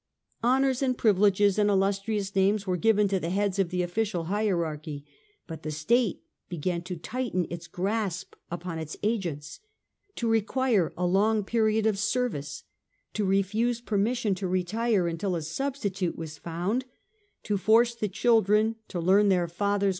Honours and privileges and illustrious names were given to the heads of the official hierarchy ; but the state began to tighten its grasp upon its agents, to require a long period of service, to refuse permission to retire until a substitute was found, to force the children to learn their fathers* 2o8 The Age of the Antonines, ch. ix.